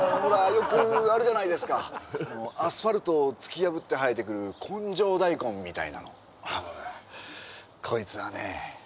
よくあるじゃないですかアスファルトを突き破って生えてくる根性大根みたいなのこいつはね